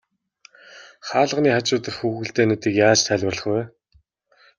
Хаалганы хажуу дахь хүүхэлдэйнүүдийг яаж тайлбарлах вэ?